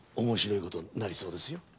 面白い事になりそうですよ。